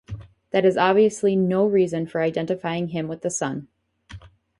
That is obviously no reason for identifying him with the sun.